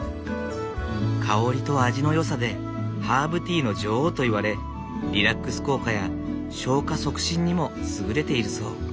香りと味のよさでハーブティーの女王といわれリラックス効果や消化促進にも優れているそう。